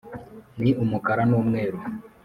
ni umukara n'umweru.